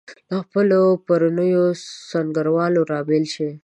له خپلو پرونیو سنګروالو رابېل شوي.